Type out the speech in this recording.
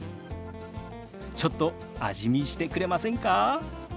ちょっと味見してくれませんか？